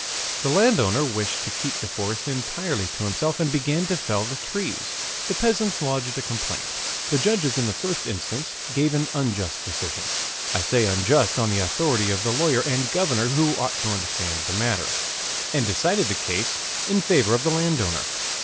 The landowner wished to keep the forest entirely to himself and began to fell the trees. The peasants lodged a complaint. The judges in the first instance gave an unjust decision (I say unjust on the authority of the lawyer and governor, who ought to understand the matter), and decided the case in favor of the landowner.